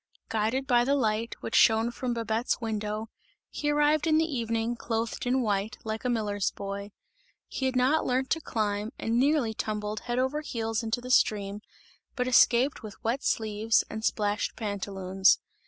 Guided by the light, which shone from Babette's window, he arrived in the evening, clothed in white, like a miller's boy; he had not learnt to climb and nearly tumbled head over heels into the stream, but escaped with wet sleeves and splashed pantaloons.